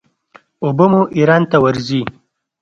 اوبه مو ایران ته ورځي.